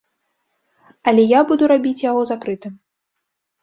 Але я буду рабіць яго закрытым.